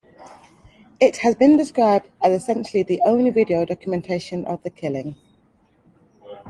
It has been described as "essentially the only video documentation of the killing".